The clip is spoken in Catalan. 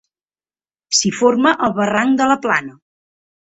S'hi forma el barranc de la Plana.